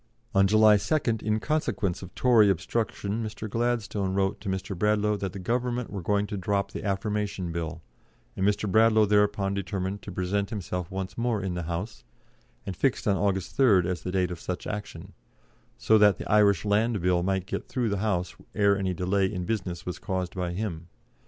On July 2nd, in consequence of Tory obstruction, Mr. Gladstone wrote to Mr. Bradlaugh that the Government were going to drop the Affirmation Bill, and Mr. Bradlaugh thereupon determined to present himself once more in the House, and fixed on August 3rd as the date of such action, so that the Irish Land Bill might get through the House ere any delay in business was caused by him.